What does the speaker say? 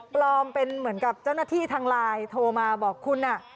ปลอมเป็นเหมือนกับเจ้าหน้าที่ทางไลน์โทรมาบอกคุณ